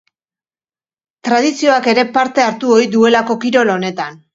Tradizioak ere parte hartu ohi duelako kirol honetan.